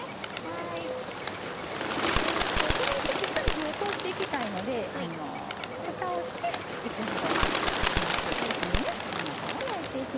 鶏肉、しっかり火を通していきたいのでふたをして１分ほどまず焼きます。